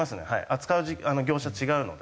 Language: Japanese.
扱う業者違うので。